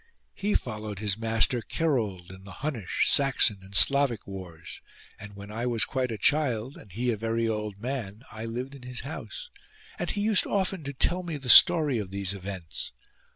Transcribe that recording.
He followed his master Kerold in the Hunnish, Saxon and Slavic wars, and when I was quite a child, and he a very old man, I lived in his house and he used often to tell me the story of these events.